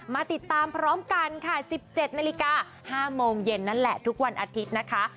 มาติดตามพร้อมกันค่ะ๑๗นาฬิกา๕โมงเย็นนั่นแหละทุกวันอาทิตย์นะคะ